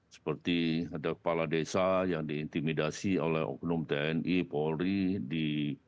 seperti ada kepala desa yang diintimidasi oleh oknum tni polri di